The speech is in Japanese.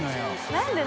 何で。